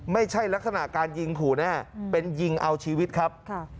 ไม่ใช่ลักษณะการยิงขู่แน่เป็นยิงเอาชีวิตครับ